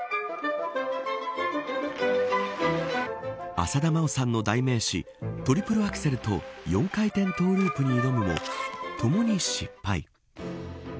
浅田真央さんの代名詞トリプルアクセルと４回転トゥループに挑むも共に失敗。